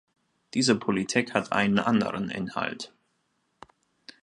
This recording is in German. Diese Politik hat einen anderen Inhalt.